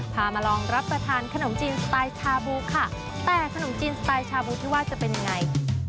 โปรดติดตามต่อไป